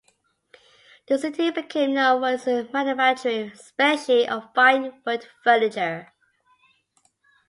The city became known for its manufacturing, especially of fine wood furniture.